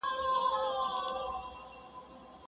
نه په شونډي په لمدې کړم نه مي څاڅکي ته زړه کیږي؛